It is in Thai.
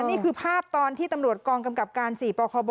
นี่คือภาพตอนที่ตำรวจกองกำกับการ๔ปคบ